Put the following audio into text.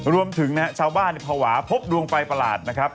รวมถึงนะฮะชาวบ้านภาวะพบดวงไฟประหลาดนะครับ